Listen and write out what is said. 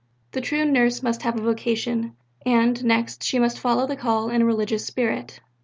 The true Nurse must have a vocation; and, next, she must follow the call in a religious spirit.